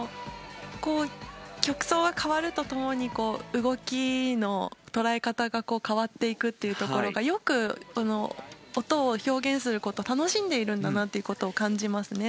曲想が変わると共に動きの捉え方が変わっていくところがよく音を表現することを楽しんでいるんだなと感じますね。